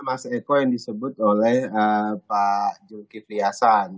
mas eko yang disebut oleh pak julkifliasan